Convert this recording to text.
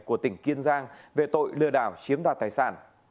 của tỉnh kiên giang về tội lừa đảo chiếm đoạt tài sản